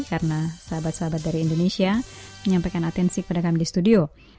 karena sahabat sahabat dari indonesia menyampaikan atensi kepada kami di studio